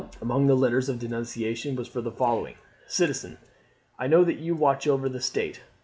Among the letters of denunciation was the following: "Citizen, I know that you watch over the state.